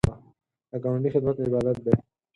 د ګاونډي خدمت عبادت دی